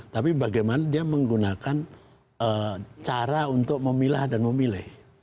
tapi bagaimana dia menggunakan cara untuk memilah dan memilih